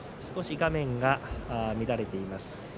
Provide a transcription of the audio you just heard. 少し画面が乱れています。